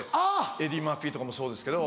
エディ・マーフィとかもそうですけど。